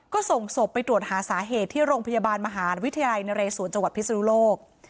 ก็ส่งศพไปตรวจหาสาเหตุที่โรงพยาบาลมหาวิทยาลัยนเรศวรจังหวัดพิศนุโลก